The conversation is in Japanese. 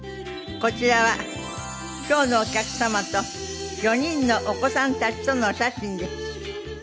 こちらは今日のお客様と４人のお子さんたちとのお写真です。